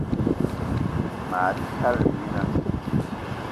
Ma tala mina